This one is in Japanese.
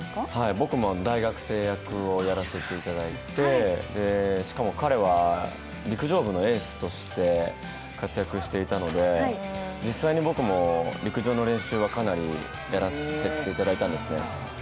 僕も大学生役をやらせていただいて、しかも彼は陸上部のエースとして活躍していたので、実際に僕も陸上の練習はかなりやらせていただいたんですね。